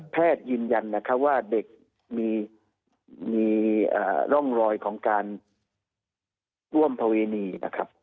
แพทย์ยินยันว่าเด็กมีร่องรอยของการร่วมภาวินีนะครับ